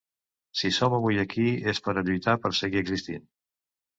Si som avui aquí és per a lluitar per seguir existint.